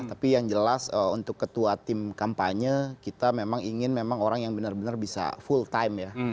tapi yang jelas untuk ketua tim kampanye kita memang ingin memang orang yang benar benar bisa full time ya